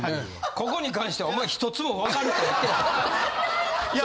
ここに関してはお前１つも「わかる」て入ってない。